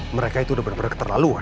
mereka itu udah bener bener keterlaluan